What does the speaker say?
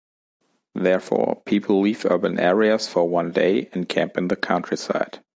Therefore, people leave urban areas for one day and camp in the countryside.